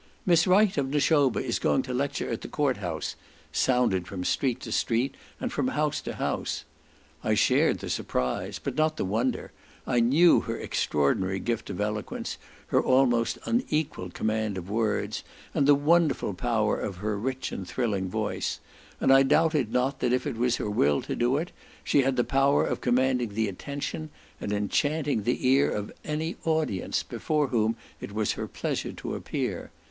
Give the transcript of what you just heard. "Miss Wright, of Nashoba, is going to lecture at the court house," sounded from street to street, and from house to house. I shared the surprise, but not the wonder; I knew her extraordinary gift of eloquence, her almost unequalled command of words, and the wonderful power of her rich and thrilling voice; and I doubted not that if it was her will to do it, she had the power of commanding the attention, and enchanting the ear of any audience before whom it was her pleasure to appear.